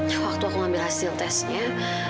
saat saya mengambil hasil tes dna